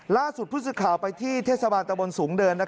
ล่าสุดผู้สื่อข่าวไปที่เทศบาลตะบนสูงเดิน